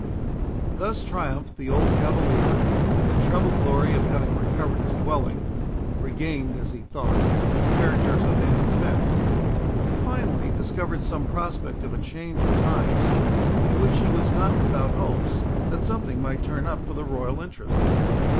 Thus triumphed the old cavalier, in the treble glory of having recovered his dwelling,—regained, as he thought, his character as a man of fence, and finally, discovered some prospect of a change of times, in which he was not without hopes that something might turn up for the royal interest.